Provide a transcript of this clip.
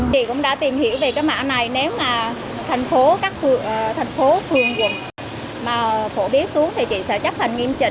chị cũng đã tìm hiểu về cái mã này nếu mà thành phố các phương quận mà phổ biến xuống thì chị sẽ chắc thành nghiêm trình